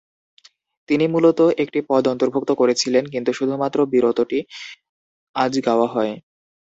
তিনি মূলত একটি পদ অন্তর্ভুক্ত করেছিলেন, কিন্তু শুধুমাত্র বিরতটি আজ গাওয়া হয়।